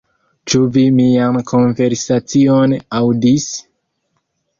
Ĉu vi mian konversacion aŭdis?